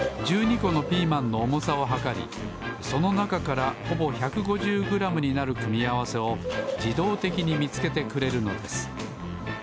このピーマンのおもさをはかりそのなかからほぼ１５０グラムになる組み合わせをじどうてきにみつけてくれるのです。